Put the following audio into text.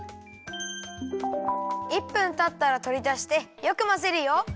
１分たったらとりだしてよくまぜるよ。